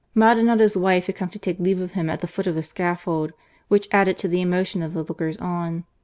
Maldonado's wife had come to take leave of him at the foot of the scaffold, which added to the emotion of the lookers on.